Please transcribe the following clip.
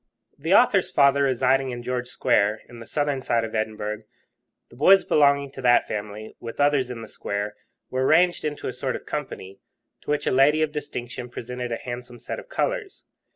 The author's father residing in George Square, in the southern side of Edinburgh, the boys belonging to that family, with others in the square, were arranged into a sort of company, to which a lady of distinction presented a handsome set of colours.